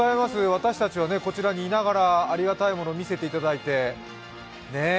私たちはこちらにいながらありがたいものを見せていただいて。